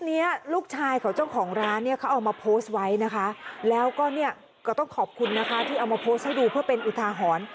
ที่เอามาโพสต์ให้ดูเพื่อเป็นอุทาหอน